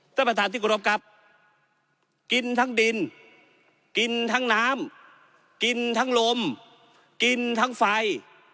ท่านประธานที่กรบครับกินทั้งดินกินทั้งน้ำกินทั้งลมกินทั้งไฟ